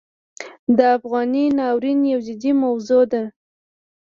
د افغانۍ ناورین یو جدي موضوع ده.